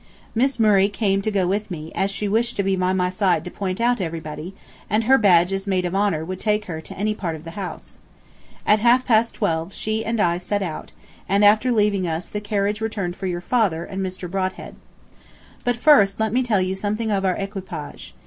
Miss Murray came to go with me, as she wished to be by my side to point out everybody, and her badge as Maid of Honor would take her to any part of the house. At half past twelve she and I set out, and after leaving us the carriage returned for your father and Mr. Brodhead. But first let me tell you something of our equipage.